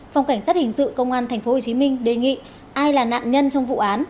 phòng cảnh sát hình sự công an tp hcm đề nghị ai là nạn nhân trong vụ án